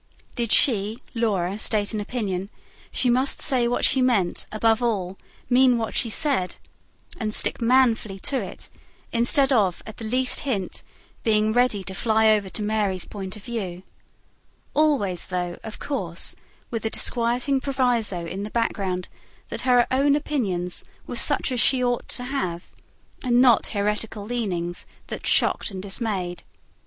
Did she, Laura, state an opinion, she must say what she meant, above all, mean what she said, and stick manfully to it, instead of, at the least hint, being ready to fly over to Mary's point of view: always though, of course, with the disquieting proviso in the background that her own opinions were such as she ought to have, and not heretical leanings that shocked and dismayed.